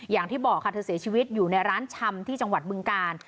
อย่างที่บอกค่ะเธอเสียชีวิตอยู่ในร้านชำที่จังหวัดบึงกาล